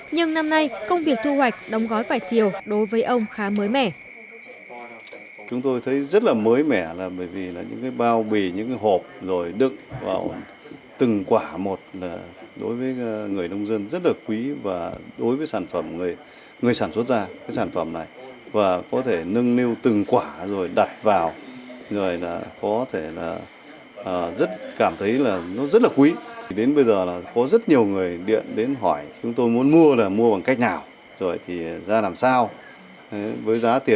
nhưng năm nay công việc thu hoạch đóng gói vải thiều đối với ông khá mới mẻ